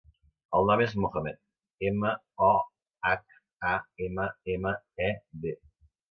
El nom és Mohammed: ema, o, hac, a, ema, ema, e, de.